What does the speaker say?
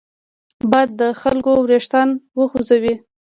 باد د خلکو وېښتان خوځوي